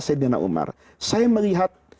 sayyidina umar saya melihat